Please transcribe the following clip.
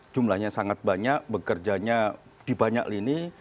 jumlahnya sangat banyak bekerjanya di banyak lini